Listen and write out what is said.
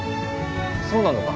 そうなのか。